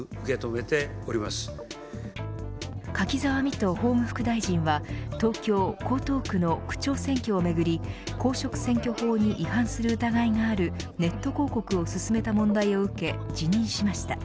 柿沢未途法務副大臣は東京・江東区の区長選挙をめぐり公職選挙法に違反する疑いがあるネット広告を勧めた問題を受け辞任しました。